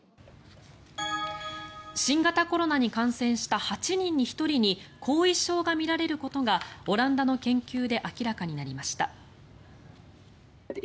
新型コロナに感染した８人に１人に後遺症がみられることがオランダの研究で明らかになりました。